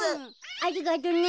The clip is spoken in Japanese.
ありがとうね。